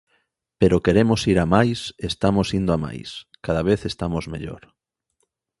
Pero queremos ir a máis e estamos indo a máis, cada vez estamos mellor.